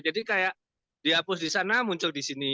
jadi kayak dihapus di sana muncul di sini